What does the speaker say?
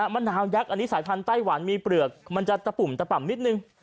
มะนาวยักษ์อันนี้สายพันธุไต้หวันมีเปลือกมันจะตะปุ่มตะป่ำนิดนึง